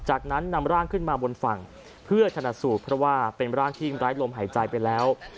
จากนั้นนำร่างขึ้นมาบนฝั่งเพื่อชนะสูตรเพราะว่าเป็นร่างที่ไร้ลมหายใจไปแล้ว